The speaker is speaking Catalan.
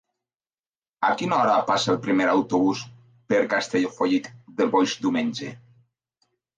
A quina hora passa el primer autobús per Castellfollit del Boix diumenge?